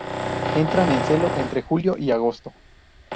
Entran en celo entre julio y agosto.